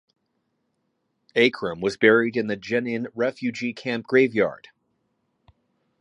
Akram was buried in the Jenin refugee camp graveyard.